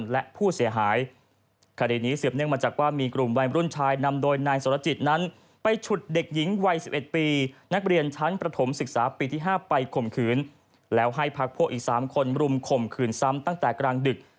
และให้พักพวกอีก๓คนรุ่มข่มคืนซ้ำตั้งแต่กลางดึก